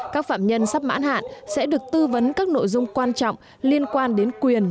các phạm nhân sắp mãn hạn sẽ được tư vấn các nội dung quan trọng liên quan đến quyền